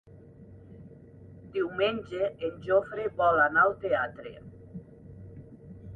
Diumenge en Jofre vol anar al teatre.